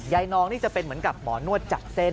นองนี่จะเป็นเหมือนกับหมอนวดจับเส้น